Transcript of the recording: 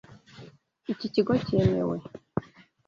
Iki giciro cyemewe?